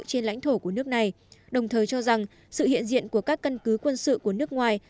trên lãnh thổ của nước này đồng thời cho rằng sự hiện diện của các căn cứ quân sự của nước ngoài